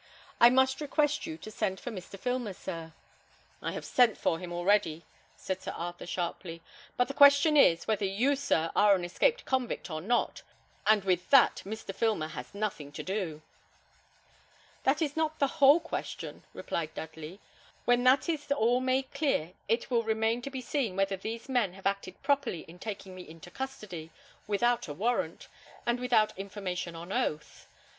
I must request you to send for Mr. Filmer, sir." "I have sent for him already," said Sir Arthur, sharply; "but the question is, whether you, sir, are an escaped convict or not, and with that Mr. Filmer has nothing to do." "That is not the whole question," replied Dudley. "When that is all made clear, it will remain to be seen whether these men have acted properly in taking me into custody without a warrant, and without information on oath.